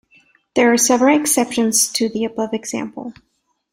There are several exceptions to the above example.